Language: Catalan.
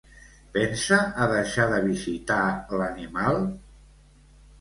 Pensa a deixar de visitar l'animal?